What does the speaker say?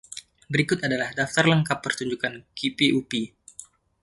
Berikut adalah daftar lengkap pertunjukan keepie-uppie.